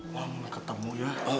neng ketemu ya